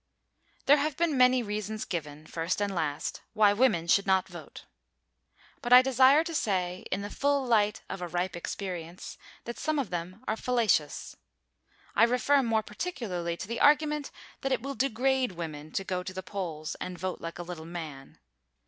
There have been many reasons given, first and last, why women should not vote, but I desire to say, in the full light of a ripe experience, that some of them are fallacious. I refer more particularly to the argument that it will degrade women to go to the polls and vote like a little man.